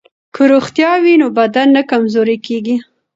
که روغتیا وي نو بدن نه کمزوری کیږي.